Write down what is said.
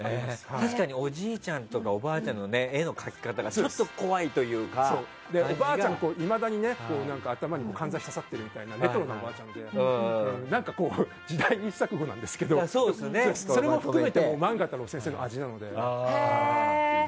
確かにおじいちゃんとかおばあちゃんの絵の描き方がおばあちゃんがいまだに頭にかんざしが挿さってるみたいなレトロなおばあちゃんで時代錯誤なんですがそれも含めて漫☆画太郎先生の味なので。